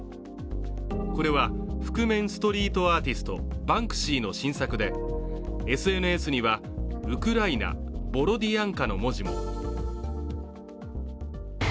これは、覆面ストリートアーティストバンクシーの新作でＳＮＳには、ウクライナ、ボロディアンカの文字も。